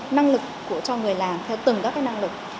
năng lực của cho người làm theo từng các cái năng lực